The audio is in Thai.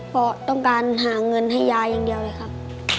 เพราะต้องการหาเงินให้ยายอย่างเดียวเลยครับ